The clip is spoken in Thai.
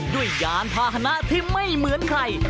ด้วยยานภาษณะที่ไม่เหมือนใคร